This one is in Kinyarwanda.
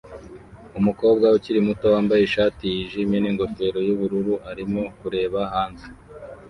Umukobwa ukiri muto wambaye ishati yijimye ningofero yubururu arimo kureba hanze